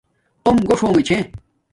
توم گوݽ ہونگے چھے